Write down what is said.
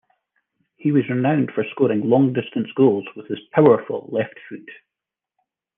He was renowned for scoring long distance goals with his powerful left foot.